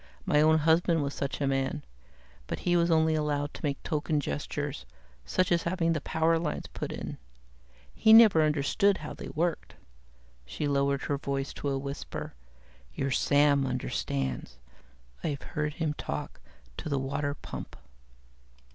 My own husband was such a man, but he was only allowed to make token gestures, such as having the power lines put in. He never understood how they worked." She lowered her voice to a whisper, "Your Sam understands. I've heard him talk to the water pump."